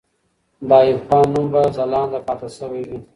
د ایوب خان نوم به ځلانده پاتې سوی وي.